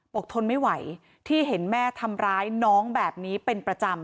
ทนไม่ไหวที่เห็นแม่ทำร้ายน้องแบบนี้เป็นประจำ